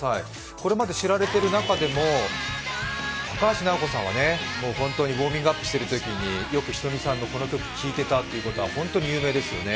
これまで知られている中でも高橋尚子さんはウォーミングアップしているときによくｈｉｔｏｍｉさんのこの曲を聴いてたというのは本当に有名ですよね。